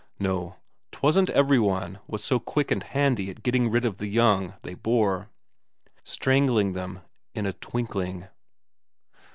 No, 'twasn't every one was so quick and handy at getting rid of the young they bore strangling them in a twinkling....